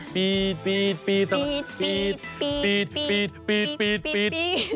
ปีจ